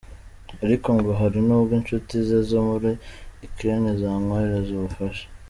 Ariko ngo hari n’ubwo inshuti ze zo muri Ukraine zimwoherereza ubufasha.